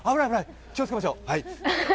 気をつけましょう。